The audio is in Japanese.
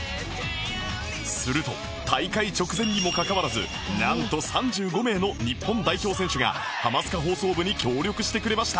すると大会直前にもかかわらずなんと３５名の日本代表選手が『ハマスカ放送部』に協力してくれました